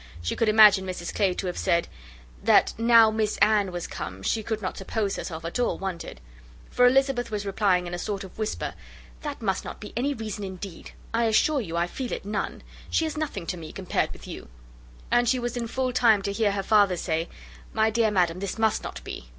She could imagine Mrs Clay to have said, that "now Miss Anne was come, she could not suppose herself at all wanted;" for Elizabeth was replying in a sort of whisper, "That must not be any reason, indeed. I assure you I feel it none. She is nothing to me, compared with you;" and she was in full time to hear her father say, "My dear madam, this must not be.